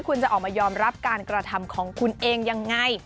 คุณจะออกมายอมรับการกระทำของคุณเองยังไง